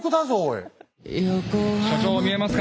所長見えますか？